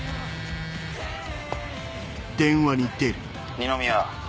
二宮。